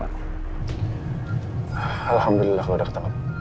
alhamdulillah lo udah ketangkap